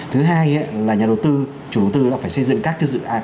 thứ hai là nhà đầu tư chủ đầu tư nó phải xây dựng các cái cơ sở hạ tầng rất đầy đủ